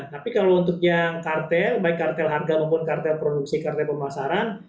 tapi kalau untuk yang kartel baik kartel harga maupun kartel produksi kartel pemasaran